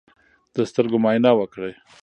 د سترګو معاینه وکړئ.